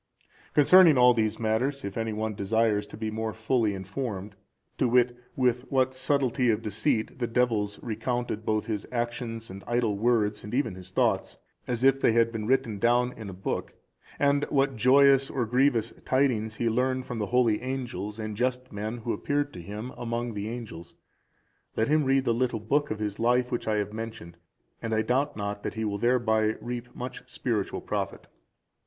Concerning all these matters, if any one desires to be more fully informed, to wit, with what subtlety of deceit the devils recounted both his actions and idle words, and even his thoughts, as if they had been written down in a book; and what joyous or grievous tidings he learned from the holy angels and just men who appeared to him among the angels; let him read the little book of his life which I have mentioned, and I doubt not that he will thereby reap much spiritual profit.